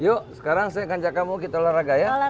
yuk sekarang saya kanjak kamu kita olahraga ya